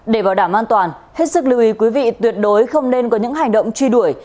để bảo đảm an toàn hết sức lưu ý quý vị tuyệt đối không nên có những hành động truy đuổi